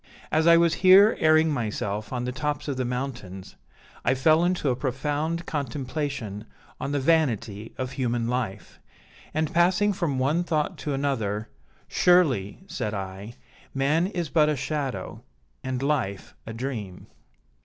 As I was here airing myself on the tops of the mountains, I fell into a profound contemplation on the vanity of human life; and passing from one thought to another, 'Surely,' said I, 'man is but a shadow, and life a dream.'